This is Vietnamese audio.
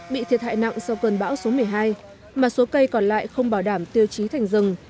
bị thiệt hại nặng sau cơn bão số một mươi hai mà số cây còn lại không bảo đảm tiêu chí thành rừng